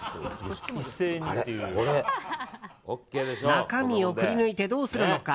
中身をくり抜いてどうするのか。